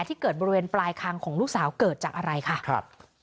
ที่เกิดบริเวณปลายคางของลูกสาวเกิดจากอะไรค่ะครับ